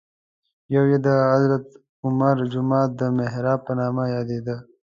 یو یې د حضرت عمر جومات د محراب په نامه یادېده.